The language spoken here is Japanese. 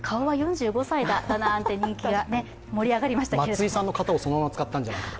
松井さんの型をそのまま使ったんじゃないかなと。